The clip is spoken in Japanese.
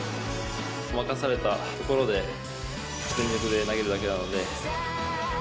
任されたところで全力で投げるだけなので。